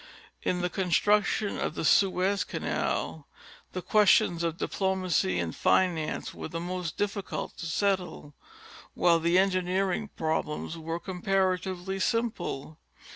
In the construction of the Suez canal, the questions of diplomacy and finance were the most difficult to settle, while the engineering problems were comparatively simple.